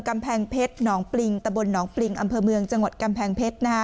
กำแพงเพชรหนองปริงตะบนหนองปริงอำเภอเมืองจังหวัดกำแพงเพชร